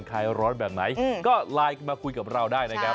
ในประเทศไทยเข้ายร้อนกันแบบไหนครับ